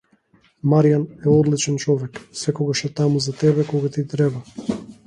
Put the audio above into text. Марјан е одличен човек, секогаш е таму за тебе, кога ти треба.